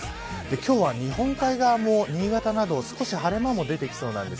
今日は日本海側も新潟などは少し晴れ間も出てきそうです。